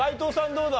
どうだ？